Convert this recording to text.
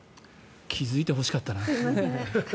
気付いてほしかったな。